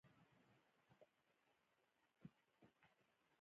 پابندي غرونه د افغانستان یو ستر طبعي ثروت ګڼل کېږي.